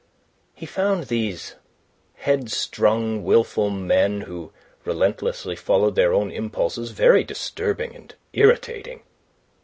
He found these headstrong, wilful men who relentlessly followed their own impulses very disturbing and irritating.